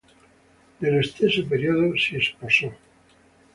Nello stesso periodo si sposò.